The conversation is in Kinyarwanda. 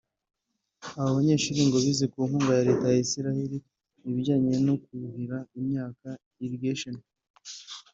Aba banyeshuri ngo bize ku nkunga ya Leta muri Israel ibijyanye no kuhira imyaka (Irrigation)